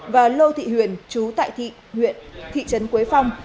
và lô thị huyền chú tại thị huyện thị trấn quế phong